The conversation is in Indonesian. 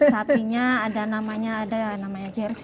sapinya ada namanya ada namanya jersey